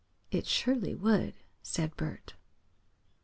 "It surely would," said Bert.